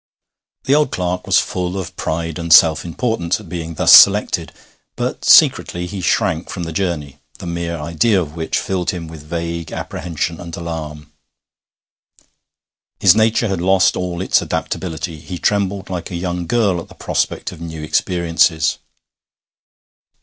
The old clerk was full of pride and self importance at being thus selected, but secretly he shrank from the journey, the mere idea of which filled him with vague apprehension and alarm. His nature had lost all its adaptability; he trembled like a young girl at the prospect of new experiences.